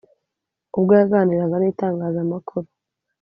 ubwo yaganiraga n’itangazamakuru